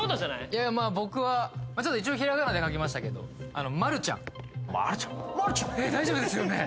いやまあ僕はちょっと一応平仮名で書きましたけどまるちゃんえっ大丈夫ですよね？